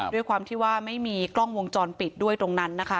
ด้วยความที่ว่าไม่มีกล้องวงจรปิดด้วยตรงนั้นนะคะ